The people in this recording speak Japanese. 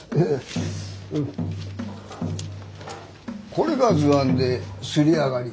これが図案で刷り上がり。